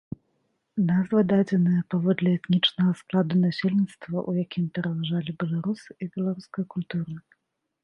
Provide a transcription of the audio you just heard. Назва дадзеная паводле этнічнага складу насельніцтва, у якім пераважалі беларусы і беларуская культура.